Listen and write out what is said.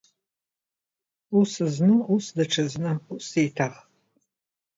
Ус зны, ус даҽа зны, ус еиҭах!